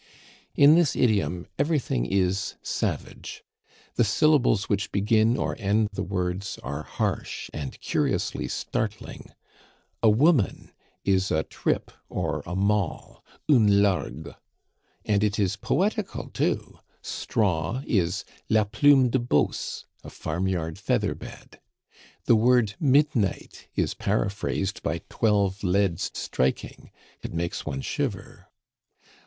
In this idiom everything is savage. The syllables which begin or end the words are harsh and curiously startling. A woman is a trip or a moll (une largue). And it is poetical too: straw is la plume de Beauce, a farmyard feather bed. The word midnight is paraphrased by twelve leads striking it makes one shiver!